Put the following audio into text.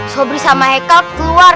sobri sama heikal keluar